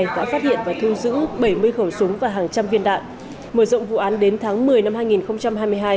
đã phát hiện và thu giữ bảy mươi khẩu súng và hàng trăm viên đạn mở rộng vụ án đến tháng một mươi năm hai nghìn hai mươi hai